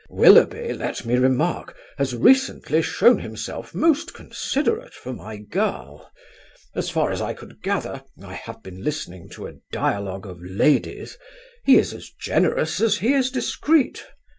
Willoughby, let me remark, has recently shown himself most considerate for my girl. As far as I could gather I have been listening to a dialogue of ladies he is as generous as he is discreet.